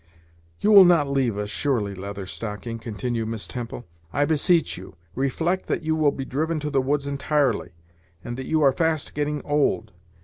"You will not leave us, surely, Leather Stocking," continued Miss Temple; "I beseech you, reflect that you will be driven to the woods entirely, and that you are fast getting old.